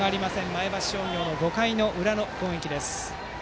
前橋商業の５回裏の攻撃。